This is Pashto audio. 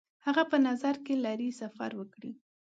هغه په نظر کې لري سفر وکړي.